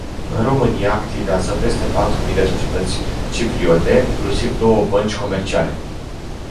În România activează peste patru mii de societăți cipriote, inclusiv două bănci comerciale.